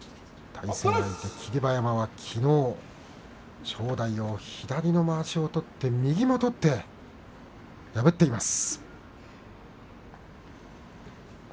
霧馬山はきのう正代を左のまわしを取って右も取って破っています。